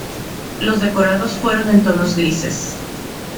Los decorados fueron en tonos grises.